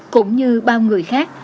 cũng như bao người khác